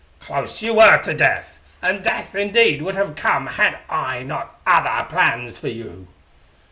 Close you were to death and death indeed would have come had I not other plans for you.